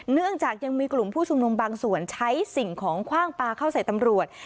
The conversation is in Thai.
เนื่องจากยังมีกลุ่มผู้ชุมนุมบางส่วนใช้สิ่งของคว่างปลาเข้าใส่ตำรวจ